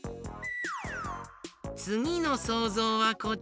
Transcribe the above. つぎのそうぞうはこちら。